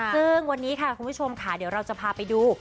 ซึ่งวันนี้ค่ะคุณผู้ชมค่ะเดี๋ยวเราจะพาไปดู